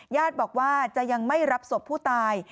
ญาติบอกว่าจะยังไม่รับศพผู้ตาย